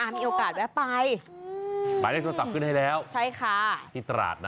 มีโอกาสแวะไปหมายเลขโทรศัพท์ขึ้นให้แล้วใช่ค่ะที่ตราดนะ